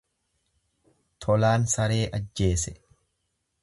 Tolaan saree ajjeese.